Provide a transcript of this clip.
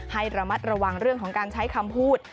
ให้ระมัดระวังเรื่องของการใช้คำพูด